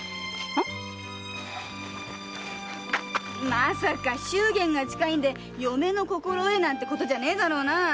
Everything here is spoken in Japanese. まさか祝言が近いんで「嫁の心得」なんてことじゃねえだろうな。